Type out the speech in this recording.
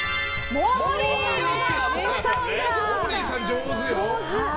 モーリーさん上手よ。